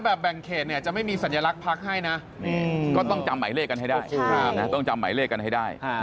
แบบแบ่งเขตเนี่ยจะไม่มีสัญลักษณ์พักให้นะก็ต้องจำไหมเลขกันให้ได้